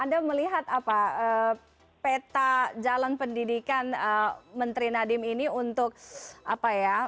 anda melihat apa peta jalan pendidikan menteri nadiem ini untuk apa ya